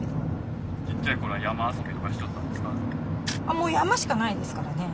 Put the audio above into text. もう山しかないですからね。